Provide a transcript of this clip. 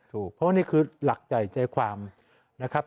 ถูกเพราะว่านี่คือหลักใจใจความนะครับ